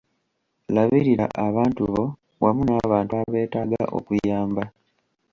Labirira abantu bo wamu n’abantu abeetaaga okuyamba.